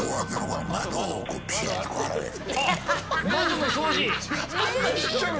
窓の掃除。